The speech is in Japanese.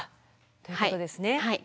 ということですね。